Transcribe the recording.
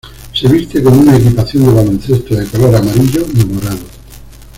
Se viste con una equipación de baloncesto de color amarillo y morado.